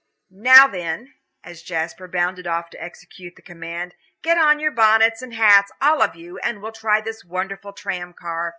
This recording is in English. Now then," as Jasper bounded off to execute the command, "get on your bonnets and hats, all of you, and we'll try this wonderful tram car.